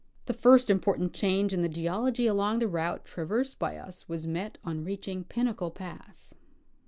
The first important change in tlie geology along the route traversed by us was met on reaching Pinnacle pass.